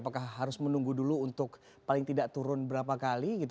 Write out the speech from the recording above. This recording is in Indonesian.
apakah harus menunggu dulu untuk paling tidak turun berapa kali gitu